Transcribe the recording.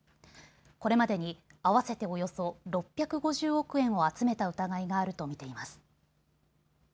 これまでに合わせておよそ６５０億円を集めた疑いがあると見ています。